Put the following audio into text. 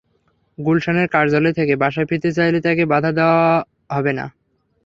গুলশানের কার্যালয় থেকে বাসায় ফিরতে চাইলে তাঁকে বাধা দেওয়া হবে না।